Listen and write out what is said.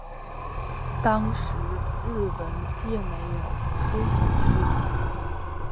当时日文并没有书写系统。